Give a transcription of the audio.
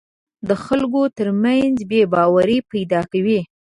جګړه د خلکو تر منځ بې باوري پیدا کوي